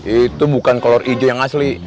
itu bukan kolor ijo yang asli